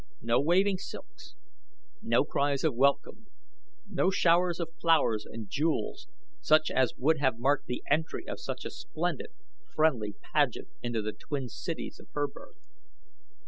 No waving silks; no cries of welcome; no showers of flowers and jewels such as would have marked the entry of such a splendid, friendly pageant into the twin cities of her birth.